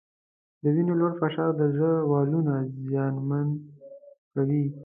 د وینې لوړ فشار د زړه والونه زیانمن کوي.